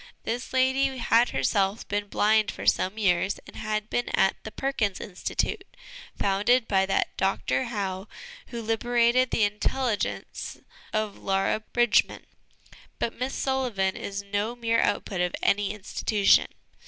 This lady had herself been blind for some years, and had been at the Perkins Institute, founded by that Dr Howe who liberated the intelligence of Laura Bridgman. But Miss Sullivan is no mere output of any institution.